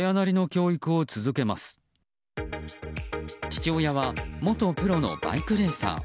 父親は元プロのバイクレーサー。